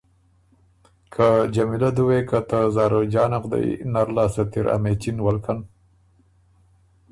که جمیلۀ دُوې که ته زاروجانه غدئ نر لاستت اِر ا مېچِن ولکن،